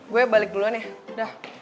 gua balik duluan ya dah